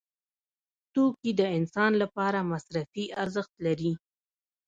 توکي د انسان لپاره مصرفي ارزښت لري.